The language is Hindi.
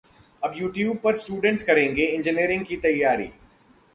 अब यूट्यूब पर स्टूडेंट्स करेंगे इंजीनियरिंग की तैयारी